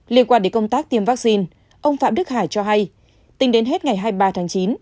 liên quan đến công tác tiêm vaccine ông phạm đức hải cho hay tính đến hết ngày hai mươi ba tháng chín